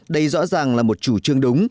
đây rõ ràng là một chủ trương đúng